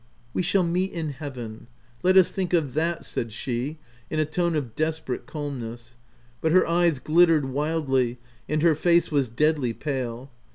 "We shall meet in Heaven. Let us think of that," said she in a tone of desperate calmness ; but her eyes glittered wildly, and her face was deadly pale.